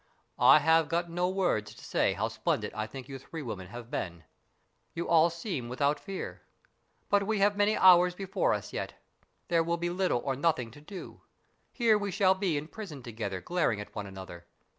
I have got no words to say how splendid I think you three women have been. You all seem without fear. But we have many hours before us yet. There will be little or nothing to do. Here we shall be in prison together glaring at one another.